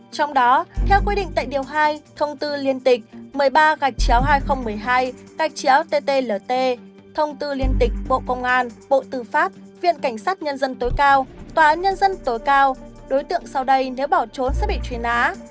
trong đó theo quy định tại điều hai thông tư liên tịch một mươi ba gạch chéo hai nghìn một mươi hai gạch chéo ttlt thông tư liên tịch bộ công an bộ tư pháp viện cảnh sát nhân dân tối cao tòa án nhân dân tối cao đối tượng sau đây nếu bỏ trốn sẽ bị truy nã